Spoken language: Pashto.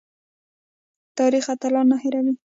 تاریخ اتلان نه هیروي